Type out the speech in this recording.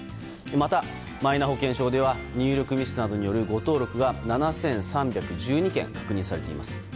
また、マイナ保険証では入力ミスなどによる誤登録が７３１２件確認されています。